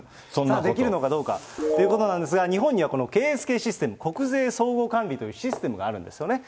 できるのかどうかということなんですが、日本にはこのＫＳＫシステム・国税総合管理というシステムがあるんですよね。